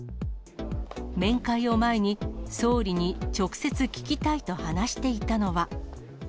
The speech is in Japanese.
面会を前に総理に直接聞きたいと話していたのは。